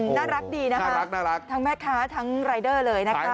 น่ารักดีนะคะน่ารักทั้งแม่ค้าทั้งรายเดอร์เลยนะคะ